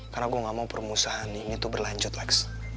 karena gue gak mau permusahan ini tuh berlanjut lex